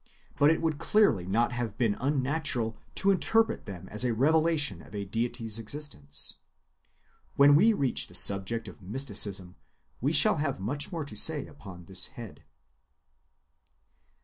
But it would clearly not have been unnatural to interpret them as a revelation of the deity's existence. When we reach the subject of mysticism, we shall have much more to say upon this head.